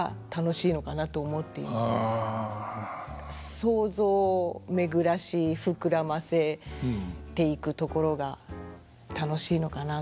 想像を巡らし膨らませていくところが楽しいのかなと思います。